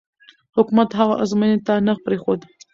حکومت هغه ازموینې ته نه پرېښود.